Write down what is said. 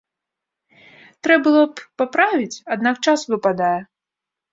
Трэ было б паправіць, аднак час выпадае.